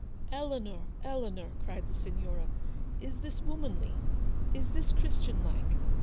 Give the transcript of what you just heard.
" Eleanor, Eleanor ! M cried the Signora :" is this womanly ? Is this Christian like